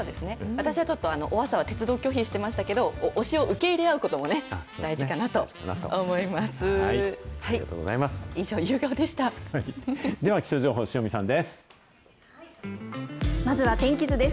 私はちょっと、おアサは鉄道拒否してましたけど、推しを受け入れ合うこともね、大事かなと思います。